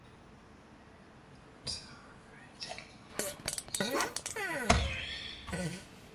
The ratings formulas are proprietary.